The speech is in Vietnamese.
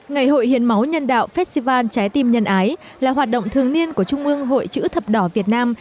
ngày hội hiến máu nhân đạo festival trái tim nhân ái là hoạt động thường niên của trung ương hội chữ thập đỏ việt nam